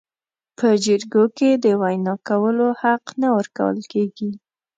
په جرګو کې د وینا کولو حق نه ورکول کیږي.